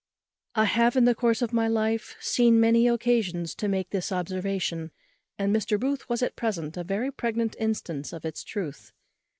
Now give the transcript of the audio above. I have in the course of my life seen many occasions to make this observation, and Mr. Booth was at present a very pregnant instance of its truth.